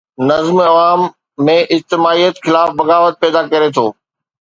نظم عوام ۾ اجتماعيت خلاف بغاوت پيدا ڪري ٿو.